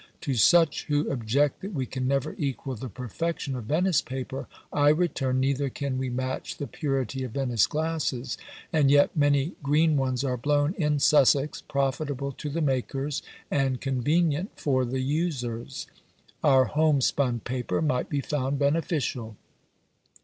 To such who object that we can never equal the perfection of Venice paper, I return, neither can we match the purity of Venice glasses; and yet many green ones are blown in Sussex, profitable to the makers, and convenient for the users. Our home spun paper might be found beneficial."